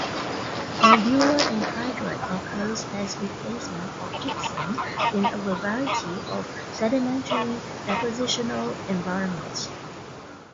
Nodular anhydrite occurs as replacement of gypsum in a variety of sedimentary depositional environments.